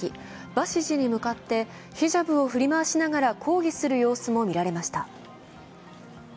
バシジに向かってヒジャブを振り回しながら抗議する様子も見られました。